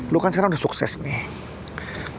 lo kan sekarang udah sukses nih